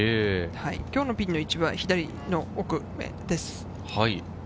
今日のピンの位置は左の奥です。